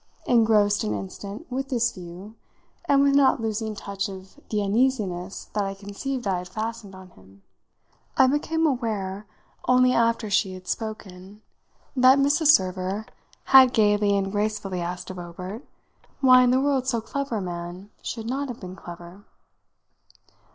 Engrossed an instant with this view and with not losing touch of the uneasiness that I conceived I had fastened on him, I became aware only after she had spoken that Mrs. Server had gaily and gracefully asked of Obert why in the world so clever a man should not have been clever.